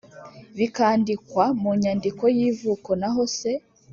Bikandikwa Mu Nyandiko Y Ivuka Naho Se